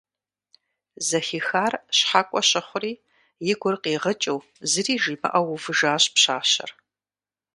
Зэхихар щхьэкӀуэ щыхьури, и гур къигъыкӀыу, зыри жимыӀэу увыжащ пщащэр.